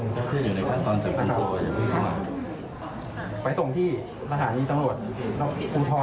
แต่แรกกับการที่อยากจะให้ทุกคนช่วย